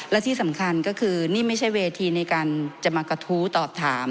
และที่สำคัญก็คือนี่ไม่ใช่เวทีในการจะมากระทู้ตอบถาม